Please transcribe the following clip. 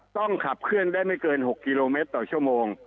ต้องขับเคลื่อนได้ไม่เกิน๖กิโลเมตรต่อชั่วโมง